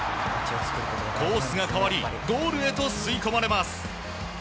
コースが変わりゴールへと吸い込まれます。